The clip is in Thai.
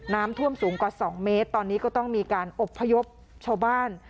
น้ำท่วมสูงกว่า๒เมตรตอนนี้ก็ต้องมีการอบพยพชาวบ้าน